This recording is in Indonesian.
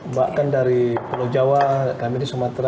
mbak kan dari pulau jawa kami di sumatera